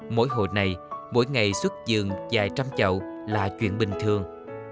mỗi hồ này mỗi ngày xuất dường vài trăm chậu là chuyện bình thường